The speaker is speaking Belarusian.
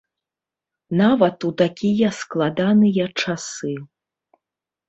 Нават у такія складаныя часы.